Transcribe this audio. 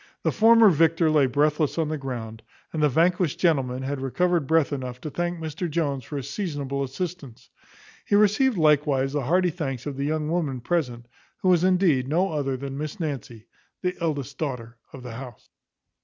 The former victor lay breathless on the ground, and the vanquished gentleman had recovered breath enough to thank Mr Jones for his seasonable assistance; he received likewise the hearty thanks of the young woman present, who was indeed no other than Miss Nancy, the eldest daughter of the house.